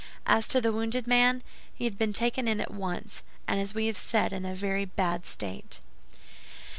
As to the wounded man, he had been taken in at once, and, as we have said, in a very bad state.